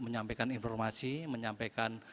menyampaikan informasi menyampaikan